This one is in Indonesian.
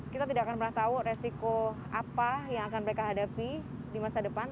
kita tidak akan pernah tahu resiko apa yang akan mereka hadapi di masa depan